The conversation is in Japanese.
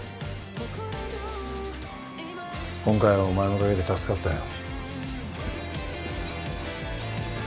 今回はお前のおかげで助かったよ。